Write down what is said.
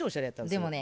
でもね